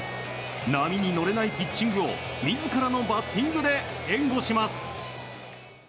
波に乗れないピッチングを自らのバッティングで援護します。